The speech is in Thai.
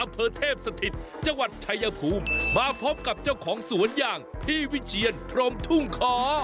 อำเภอเทพสถิตจังหวัดชายภูมิมาพบกับเจ้าของสวนอย่างพี่วิเชียนพรมทุ่งคอ